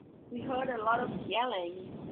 We heard a lot of yelling.